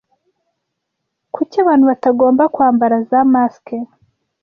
Kuki abantu batagomba kwambara za masks